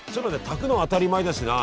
炊くの当たり前だしな。